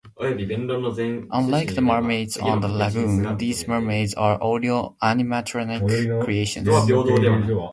Unlike the mermaids on the lagoon, these mermaids are audio-animatronic creations.